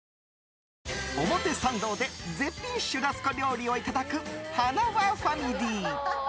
表参道で絶品シュラスコ料理をいただく、はなわファミリー。